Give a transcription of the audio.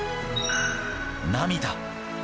涙。